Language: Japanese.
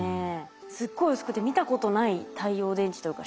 すっごい薄くて見たことない太陽電池というか。